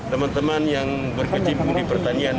teman teman yang berkecimpung di pertanian